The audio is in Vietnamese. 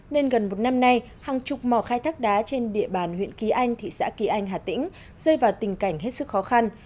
nên gần một năm nay hàng chục mỏ khai thác đá trên địa bàn huyện kỳ anh thị xã kỳ anh hà tĩnh rơi vào tình cảnh hết sức khó khăn